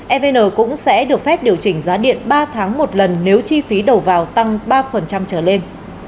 evn cũng sẽ được phép điều chỉnh giá điện ba tháng một lần nếu chi phí đầu vào tăng ba trở lên